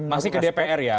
masih ke dpr ya